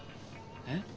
えっ？